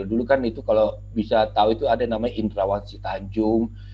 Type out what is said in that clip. dulu kan itu kalau bisa tahu itu ada yang namanya indrawat sitanjung